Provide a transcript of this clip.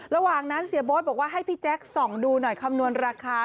ระหว่างนั้นเสียโบ๊ทบอกว่าให้พี่แจ๊คส่องดูหน่อยคำนวณราคา